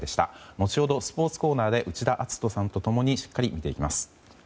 後ほどスポーツコーナーで内田篤人さんと共にしっかり見ていきます。